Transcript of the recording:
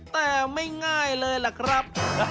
แต่ไม่ง่ายเลยล่ะครับ